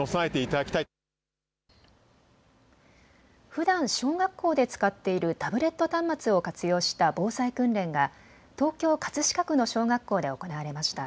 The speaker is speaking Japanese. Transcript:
ふだん小学校で使っているタブレット端末を活用した防災訓練が東京葛飾区の小学校で行われました。